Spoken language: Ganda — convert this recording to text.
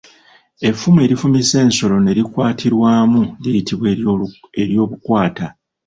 Effumu erifumise ensolo ne likwatirwamu liyitibwa eryobukwata.